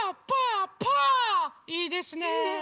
いいですね。